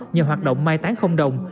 nhờ hoạt động mai tán không đồng